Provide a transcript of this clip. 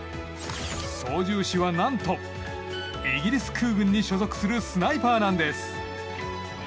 操縦士は何と、イギリス空軍に所属するスナイパーなんです。